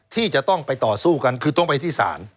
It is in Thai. ที่จะต้องไปต่อสู้กันคือต้องไปที่ศาล